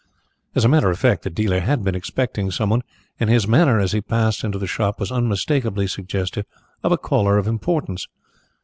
As a matter of fact the dealer had been expecting someone and his manner as he passed into the shop was unmistakably suggestive of a caller of importance.